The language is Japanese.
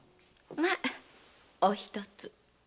まおひとつ。